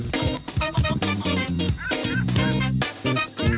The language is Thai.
สวัสดีค่ะ